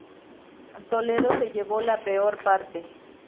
Toledo se llevó la peor parte.